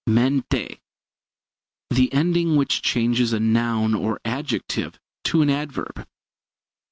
Mente the ending which changes a noun or adjective to an adverb.